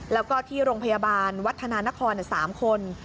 แล้วก็ที่โรงพยาบาลวัฒนานคร๓คน